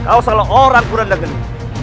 kau salah orang kuranda geni